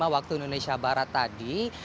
waktu indonesia barat tadi